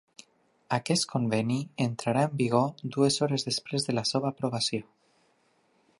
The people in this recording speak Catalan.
Aquest conveni entrarà en vigor dues hores després de la seva aprovació.